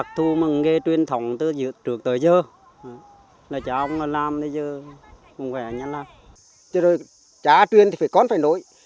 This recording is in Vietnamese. chứ rồi trả truyền thì phải con phải nổi